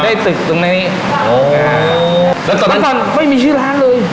ได้ตึกตรงในนี้อ๋อแล้วตอนนั้นตอนนั้นไม่มีชื่อร้านเลย